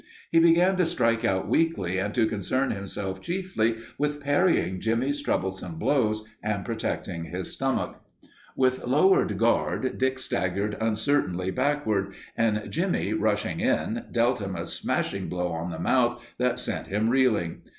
He began to strike out weakly and to concern himself chiefly with parrying Jimmie's troublesome blows and protecting his stomach. With lowered guard, Dick staggered uncertainly backward, and Jimmie, rushing in, dealt him a smashing blow on the mouth that sent him reeling.